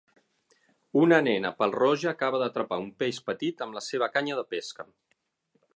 Una nena pèl-roja acaba d'atrapar un peix petit amb la seva canya de pesca.